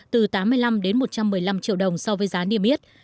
từ tám mươi năm đến một trăm một mươi năm triệu đồng so với giá niêm yết